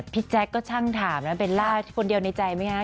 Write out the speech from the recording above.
แจ๊คก็ช่างถามนะเบลล่าคนเดียวในใจไหมคะ